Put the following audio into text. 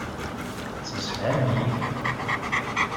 Tettemsefhamem yid-i.